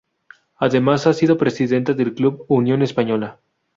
Además ha sido presidente del club Unión Española.